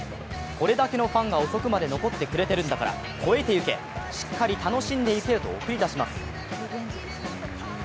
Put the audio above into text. これだけのファンが遅くまで残ってくれてるんだから超えていけ、しっかり楽しんでいけよと送り出します。